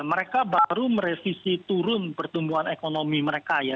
mereka baru merevisi turun pertumbuhan ekonomi mereka ya